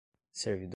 servidões